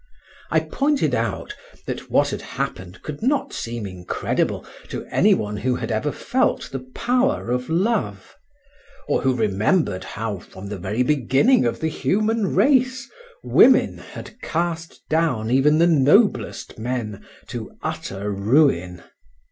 I pointed out that what had happened could not seem incredible to any one who had ever felt the power of love, or who remembered how, from the very beginning of the human race, women had cast down even the noblest men to utter ruin.